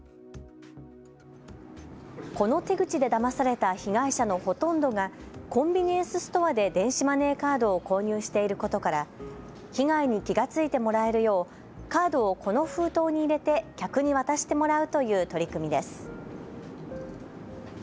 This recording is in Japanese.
この手口でだまされた被害者のほとんどがコンビニエンスストアで電子マネーカードを購入していることから被害に気が付いてもらえるようカードをこの封筒に入れて客に渡してもらうという取り組みです。